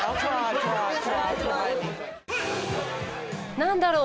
何だろう。